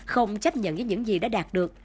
không chấp nhận với những gì đã đạt được